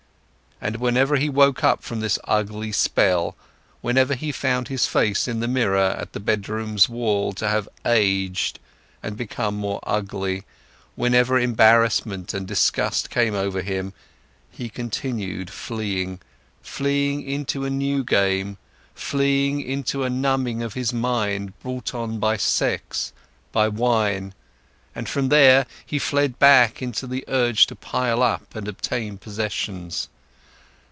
And whenever he woke up from this ugly spell, whenever he found his face in the mirror at the bedroom's wall to have aged and become more ugly, whenever embarrassment and disgust came over him, he continued fleeing, fleeing into a new game, fleeing into a numbing of his mind brought on by sex, by wine, and from there he fled back into the urge to pile up and obtain possessions.